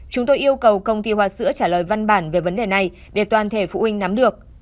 chúng tôi yêu cầu công ty hoa sữa trả lời văn bản về vấn đề này để toàn thể phụ huynh nắm được